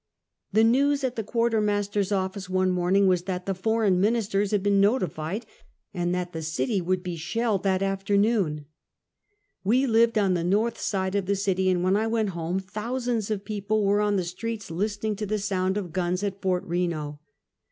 The news at the Quartermaster's office one morning was that the foreign ministers had been notified, and that the city would be shelled that afternoon. We lived on the north side of the city; and when I went home, thousands of people were on the streets, listening to the sound of guns at Fort Reno.